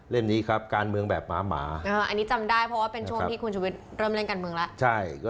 นี้ครับการเมืองแบบหมาอันนี้จำได้เพราะว่าเป็นช่วงที่คุณชุวิตเริ่มเล่นการเมืองแล้ว